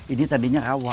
ini tadinya rawa